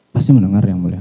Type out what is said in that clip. pasti mendengar ya mulia